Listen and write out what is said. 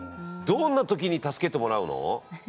どんな時に助けてもらうの？